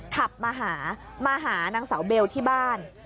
ขับมาหามาหานางสาวเบลที่บ้าน